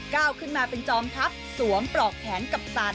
ก้าวขึ้นมาเป็นจอมทัพสวมปลอกแขนกับสัตว